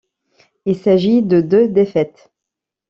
Il s'agit de deux défaites.